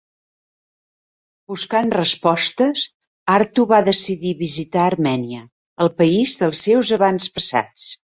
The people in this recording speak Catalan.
Buscant respostes, Arto va decidir visitar Armènia, el país dels seus avantpassats.